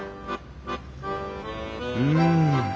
うん。